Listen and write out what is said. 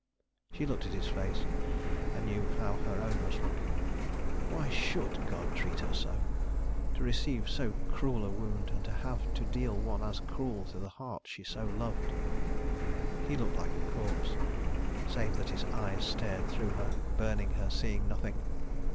She looked at his face, and knew how her own must look. ... Why should God treat her so? ... To receive so cruel a wound and to have to deal one as cruel to the heart she so loved! ... He looked like a corpse—save that his eyes stared through her, burning her, seeing nothing.